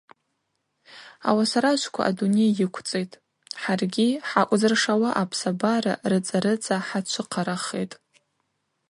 Ауасаражвква адуней йыквцӏитӏ, хӏаргьи хӏгӏакӏвзыршауа апсабара рыцӏа-рыцӏа хӏачвыхъарахитӏ.